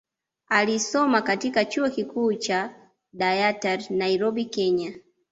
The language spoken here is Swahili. Alisoma katika chuo kikuu cha Dayatar Nairobi Kenya